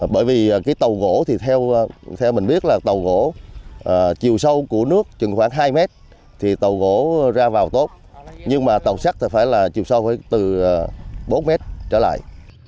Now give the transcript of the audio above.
bởi vì cái tàu gỗ thì theo mình biết là tàu gỗ chiều sâu của nước chừng khoảng hai mét thì tàu gỗ ra vào tốt nhưng mà tàu sắt thì phải là chiều sâu phải từ bốn mét trở lại